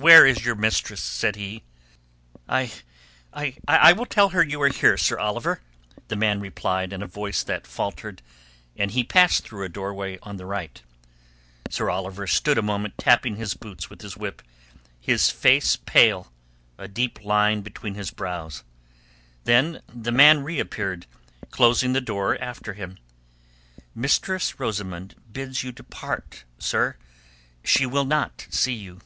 "Where is your mistress?" said he. "I...I will tell her you are here, Sir Oliver," the man replied in a voice that faltered; and he passed through a doorway on the right. Sir Oliver stood a moment tapping his boots with his whip, his face pale, a deep line between his brows. Then the man reappeared, closing the door after him. "Mistress Rosamund bids you depart, sir. She will not see you."